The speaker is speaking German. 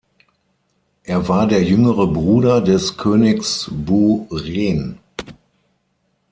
Er war der jüngere Bruder des Königs Bu Ren.